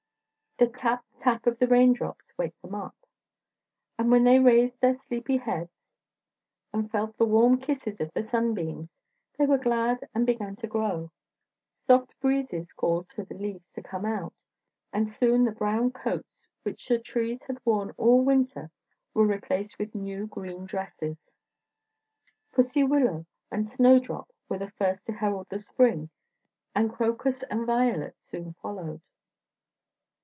The tap, tap, of the Raindrops wake them up, and when they raised their sleepy heads and felt the warm kisses of the Sunbeams, they were glad and began to grow. Soft breezes called to the leaves to come out, and soon the brown coats which the trees had worn all winter were replaced by new green dresses. Pussy willow and snowdrop were the first to herald the spring, and crocus and violet soon followed.